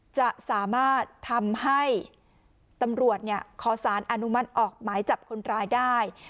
จะสามารถทำให้ตำรวจขอสารอนุมัติออกหมายจับคนร้ายได้